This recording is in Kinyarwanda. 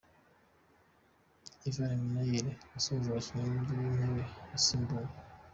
Ivan Minaert asuhuza abakinnyi bari ku ntebe y’abasimbura